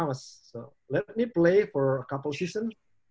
biar saya main untuk beberapa musim